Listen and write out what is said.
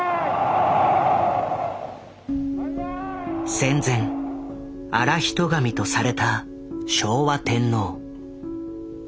戦前現人神とされた昭和天皇。